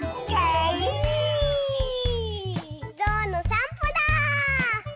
ぞうのさんぽだ！